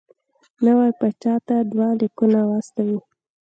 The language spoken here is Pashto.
نوي پاچا ته دوه لیکونه واستوي.